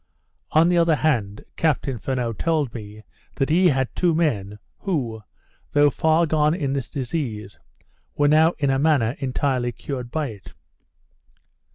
On the other hand, Captain Furneaux told me, that he had two men, who, though far gone in this disease, were now in a manner entirely cured by it.